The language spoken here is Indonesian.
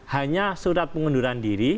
hanya surat pengunduran diri